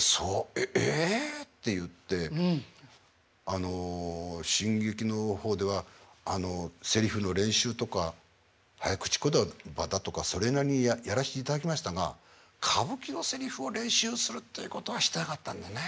あの新劇の方ではセリフの練習とか早口言葉だとかそれなりにやらせていただきましたが歌舞伎のセリフを練習するっていうことはしてなかったんでね。